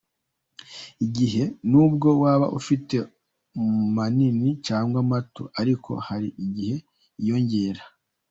Igihe: nubwo waba ufite manini cyangwa mato, ariko hari igihe yiyongera.